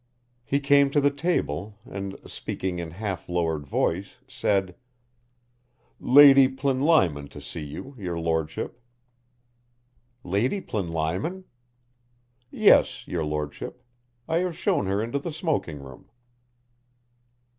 He came to the table and, speaking in half lowered voice said: "Lady Plinlimon to see you, your Lordship." "Lady Plinlimon?" "Yes, your Lordship. I have shown her into the smoking room."